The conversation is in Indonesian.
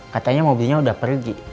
katanya mobilnya udah pergi